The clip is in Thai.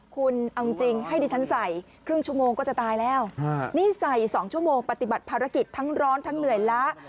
คุณเอาจริงให้ดิฉันใส่ครึ่งชั่วโมงก็จะตายแล้วนี่ใส่๒ชั่วโมงปฏิบัติภารกิจทั้งร้อนทั้งเหนื่อยล้า